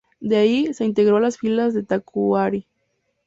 De ahí, se integró a las filas de Tacuary.